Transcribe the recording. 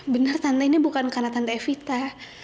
benar tanda ini bukan karena tante evita